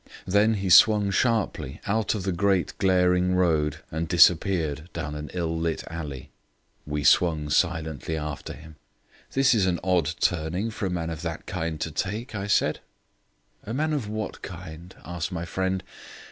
Then he swung sharply out of the great glaring road and disappeared down an ill lit alley. We swung silently after him. "This is an odd turning for a man of that kind to take," I said. "A man of what kind?" asked my friend.